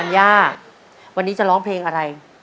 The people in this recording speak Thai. ย่าวันนี้จะร้องเพลงอะไร